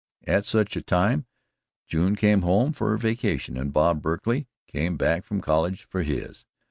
At such a time June came home for her vacation, and Bob Berkley came back from college for his.